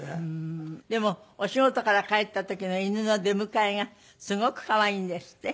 でもお仕事から帰った時の犬の出迎えがすごく可愛いんですって？